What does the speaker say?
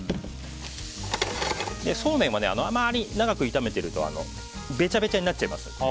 そうめんはあまり長く炒めてるとべちゃべちゃになってしまいます。